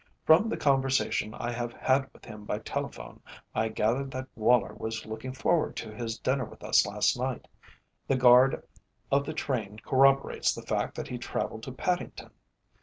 From the conversation I have had with him by telephone, I gathered that Woller was looking forward to his dinner with us last night. The guard of the train corroborates the fact that he travelled to Paddington.